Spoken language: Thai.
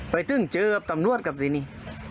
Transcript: ไปเต้องเจอเอำตำลวดกับที่นี้